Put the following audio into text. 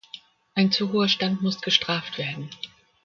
Ein zu hoher Stand muss gestraft werden.